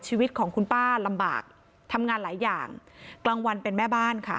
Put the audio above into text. ชีวิตของคุณป้าลำบากทำงานหลายอย่างกลางวันเป็นแม่บ้านค่ะ